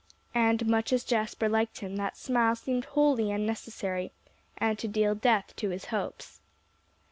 And much as Jasper liked him, that smile seemed wholly unnecessary, and to deal death to his hopes.